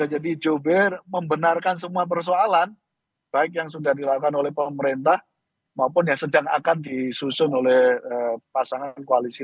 jubir membenarkan semua persoalan baik yang sudah dilakukan oleh pemerintah maupun yang sedang akan disusun oleh pasangan koalisi